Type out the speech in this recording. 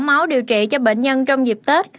máu điều trị cho bệnh nhân trong dịp tết